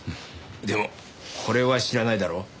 でもこれは知らないだろ。